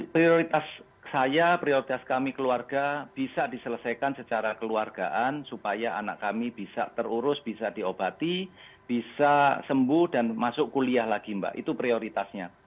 prioritas saya prioritas kami keluarga bisa diselesaikan secara keluargaan supaya anak kami bisa terurus bisa diobati bisa sembuh dan masuk kuliah lagi mbak itu prioritasnya